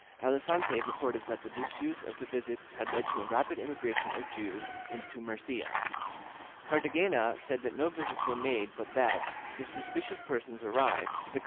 Alicante reported that the disuse of the visits had led to a rapid immigration of Jews into Murcia. Cartagena said that no visits were made but that, if suspicious persons arrived, the custom » Amador de los Rios, III, 552 3.